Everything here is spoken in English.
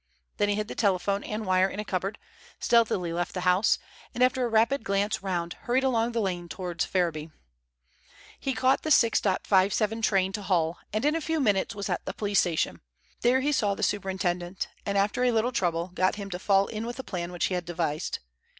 Then he hid the telephone and wire in a cupboard, stealthily left the house, and after a rapid glance round hurried along the lane towards Ferriby. He caught the 6.57 train to Hull, and in a few minutes was at the police station. There he saw the superintendent, and after a little trouble got him to fall in with the plan which he had devised.